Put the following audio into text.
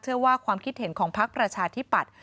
ว่าความคิดเห็นของพักประชาธิปัตย